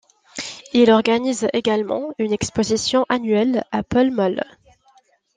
Il organise également une exposition annuelle à Pall Mall.